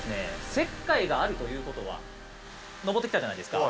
石灰があるということは登って来たじゃないですか。